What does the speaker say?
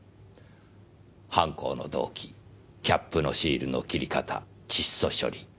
犯行の動機キャップのシールの切り方窒素処理